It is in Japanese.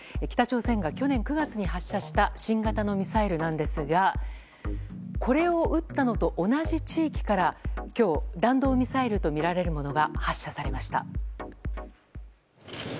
北朝鮮が去年９月に発射した新型のミサイルなんですがこれを撃ったのと同じ地域から今日、弾道ミサイルとみられるものが発射されました。